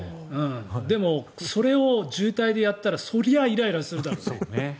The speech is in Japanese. でも、それを渋滞でやったらそれはイライラするだろうと。